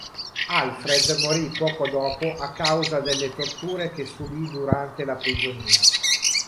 Alfred morì poco dopo a causa delle torture che subì durante la prigionia.